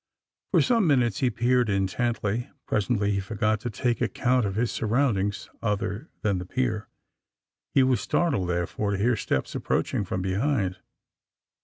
For some minutes he peered intently. Pres ently he forgot to take account of his surround^ ings other than the pier. He was startled, there fore, to hear steps approaching from behind.